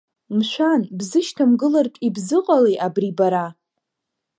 Мшәан, бзышьҭамгылартә ибзыҟалеи, абри, бара?